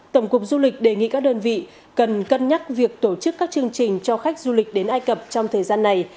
tổng cục du lịch đề nghị các đơn vị cần cân nhắc việc tổ chức các chương trình cho khách du lịch đến ai cập trong thời gian này